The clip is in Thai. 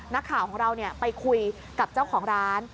นักข่าวของเราไปคุยกับเจ้าของร้าน